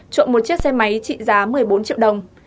trộm một chiếc xe máy trị giá một mươi bốn triệu đồng